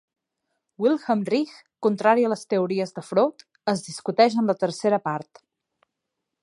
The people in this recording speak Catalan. Wilhelm Reich, contrari a les teories de Freud, es discuteix en la tercera part.